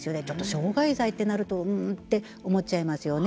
傷害罪と、となるとううんって思っちゃいますよね。